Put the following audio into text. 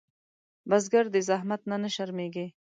بزګر د زحمت نه شرمېږي نه